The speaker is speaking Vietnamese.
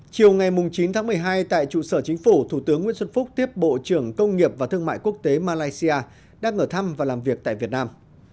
chiều ngày chín tháng một mươi hai tại trụ sở chính phủ thủ tướng nguyễn xuân phúc tiếp bộ trưởng công nghiệp và thương mại quốc tế malaysia đang ở thăm và làm việc tại việt nam